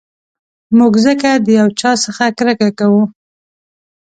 موږ ځکه د یو چا څخه کرکه کوو.